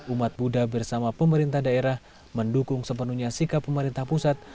umat buddha bersama pemerintah daerah mendukung sepenuhnya sikap pemerintah pusat